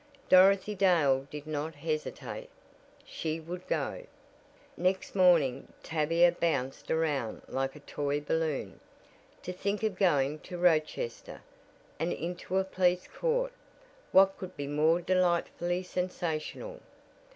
Dorothy Dale did not hesitate she would go. Next morning Tavia bounced around like a toy balloon. To think of going to Rochester, and into a police court what could be more delightfully sensational?